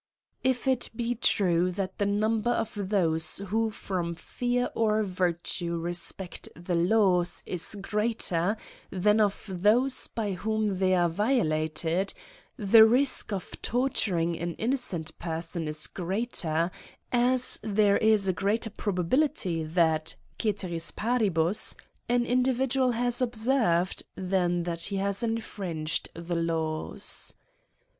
If it be true, that the number of those who from fear or virtue respect the laws is greater than of those by whom they are violated, the risk of torturing an innocent CRIMES AXD PUNTSHMENTS. ^. person is greater, as there is a greater probability that, ceteris paribus y an individual hath observed, than that he hath infringed the laws.